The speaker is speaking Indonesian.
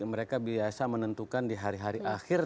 mereka biasa menentukan di hari hari akhir